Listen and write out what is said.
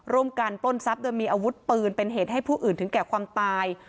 การปล้นทรัพย์โดยมีอาวุธปืนเป็นเหตุให้ผู้อื่นถึงแก่ความตาย